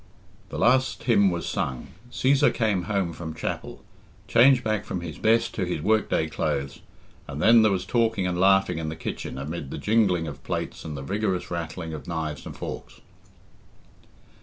The last hymn was sung, Cæsar came home from chapel, changed back from his best to his work day clothes, and then there was talking and laughing in the kitchen amid the jingling of plates and the vigorous rattling of knives and forks.